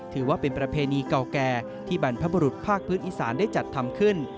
ถือว่าเป็นประเพณีเก่าแก่ที่บรรพบรุษภาคพื้นอีสานได้จัดทำขึ้น